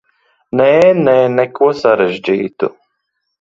Nē, nē, neko sarežģītu.